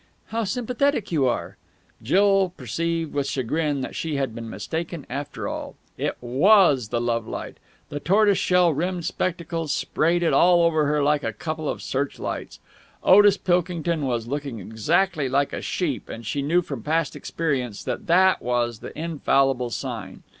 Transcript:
"How sympathetic you are!" Jill perceived with chagrin that she had been mistaken after all. It was the love light. The tortoiseshell rimmed spectacles sprayed it all over her like a couple of searchlights. Otis Pilkington was looking exactly like a sheep, and she knew from past experience that that was the infallible sign.